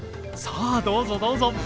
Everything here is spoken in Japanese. さあどうぞどうぞ。